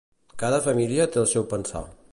Cada família té el seu pensar.